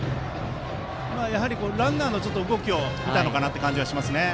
やはりランナーの動きを見たのかなという感じがします。